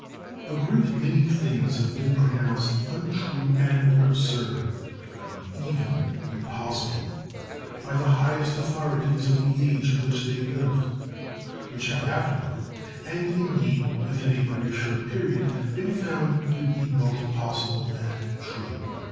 A great many things have been pronounced untrue and absurd, and even impossible, by the highest authorities of the age in which they lived, which have afterward, and indeed within a very short period, been found to be both possible and true.